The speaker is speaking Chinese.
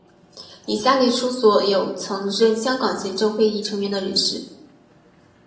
以下列出所有曾任香港行政会议成员的人士。